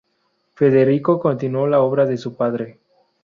Federico continuó la obra de su padre.